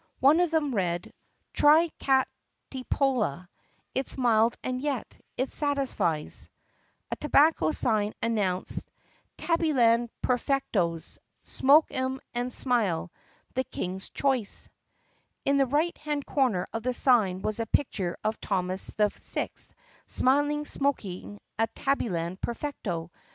One of them read: TRY CATNIPOLA IT 'S MILD AND YET IT SATISFIES A tobacco sign announced : TABBYLAND PERFECTOS SMOKE 'EM AND SMILE THE KING'S CHOICE In the right hand corner of the sign was a picture of Thomas VI smilingly smoking a Tabbyland Perfecto.